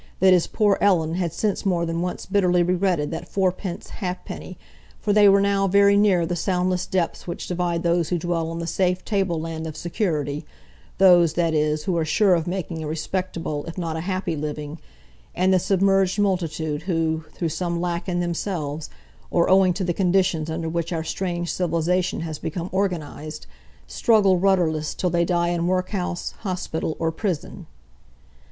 —that his poor Ellen had since more than once bitterly regretted that fourpence ha'penny, for they were now very near the soundless depths which divide those who dwell on the safe tableland of security—those, that is, who are sure of making a respectable, if not a happy, living—and the submerged multitude who, through some lack in themselves, or owing to the conditions under which our strange civilisation has become organised, struggle rudderless till they die in workhouse, hospital, or prison.